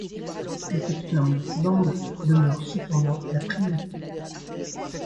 Le capteur multi-bandes demeure cependant la priorité.